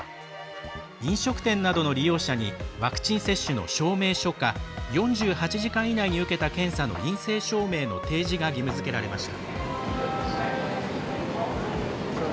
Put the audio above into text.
飲食店などの利用者にワクチン接種の証明書か４８時間以内に受けた検査の陰性証明の提示が義務づけられました。